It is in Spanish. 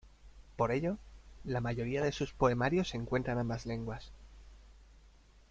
Por ello, la mayoría de sus poemarios se encuentran en ambas lenguas.